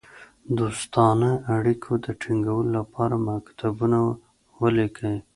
دوستانه اړېکو د تینګولو لپاره مکتوبونه ولیکي.